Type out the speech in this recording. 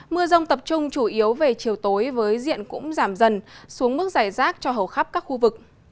mưa rông tập trung chủ yếu về chiều tối với diện cũng giảm dần xuống mức giải rác cho hầu khắp các khu vực